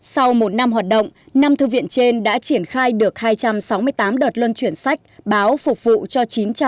sau một năm hoạt động năm thư viện trên đã triển khai được hai trăm sáu mươi tám đợt luân chuyển sách báo phục vụ cho chín trăm tám mươi